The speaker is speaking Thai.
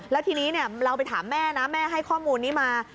แล้วทีนี้เราไปถามแม่นะแม่ให้ข้อมูลนี้มา